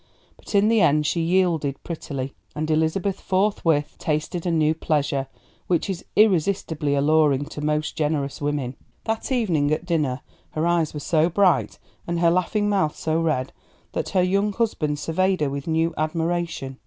But in the end she yielded prettily, and Elizabeth forthwith tasted a new pleasure, which is irresistibly alluring to most generous women. That evening at dinner her eyes were so bright and her laughing mouth so red that her young husband surveyed her with new admiration.